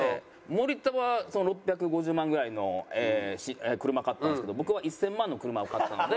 森田は６５０万ぐらいの車買ったんですけど僕は１０００万の車を買ったので。